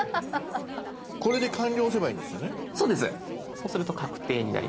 そうすると確定になります。